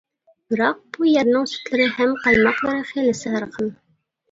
بىراق بۇ يەرنىڭ سۈتلىرى ھەم قايماقلىرى خېلى سەرخىل.